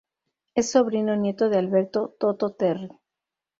Es sobrino nieto de Alberto "Toto" Terry.